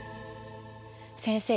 先生